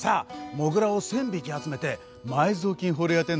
モグラを１，０００匹集めて埋蔵金掘り当てんのよ。